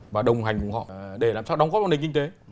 và đồng hành cùng họ để làm sao đóng góp vào nền kinh tế